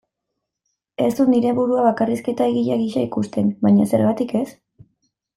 Ez dut nire burua bakarrizketa-egile gisa ikusten, baina zergatik ez?